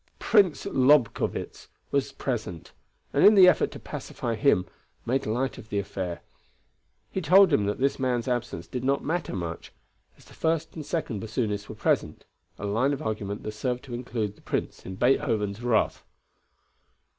Prince Lobkowitz was present, and in the effort to pacify him, made light of the affair; he told him that this man's absence did not matter much, as the first and second bassoonists were present, a line of argument that served to include the Prince in Beethoven's wrath.